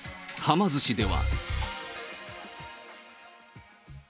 ま寿司では。